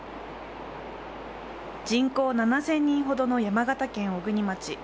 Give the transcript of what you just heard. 人口７０００人ほどの山形県小国町。